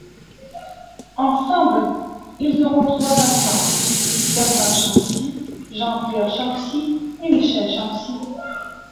Ensemble, ils auront trois enfants, Bernard Chancy, Jean-Pierre Chancy et Michel Chancy.